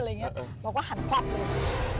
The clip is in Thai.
เราก็หันควับเลย